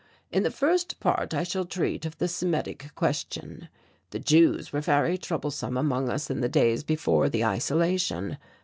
In the first part I shall treat of the Semitic question. The Jews were very troublesome among us in the days before the isolation.